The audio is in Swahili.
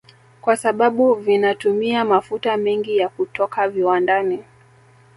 Kwa sababu vinatumia mafuta mengi ya kutoka viwandani